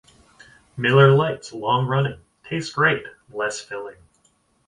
Miller Lite's long-running Tastes Great!...Less Filling!